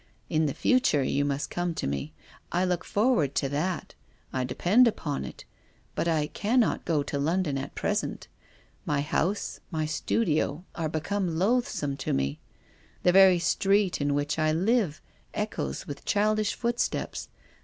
In the future you must come to me. I look forward to that, I depend upon it. But I cannot go to London at present. My house, my studio are become loathsome to me. The very street in which I live echoes with childish footsteps.